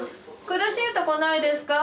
苦しいとこないですか？